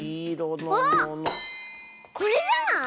あっこれじゃない？